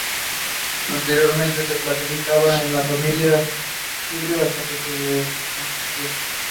They soon developed accountancy practices to keep track of deposits.